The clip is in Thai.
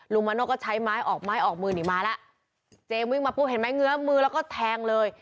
มาโน่ก็ใช้ไม้ออกไม้ออกมือหนีมาแล้วเจมส์วิ่งมาปุ๊บเห็นไหมเงื้อมือแล้วก็แทงเลย